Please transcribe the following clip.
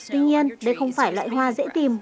tuy nhiên đây không phải loại hoa dễ tìm